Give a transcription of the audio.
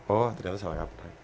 oh ternyata salah kaprah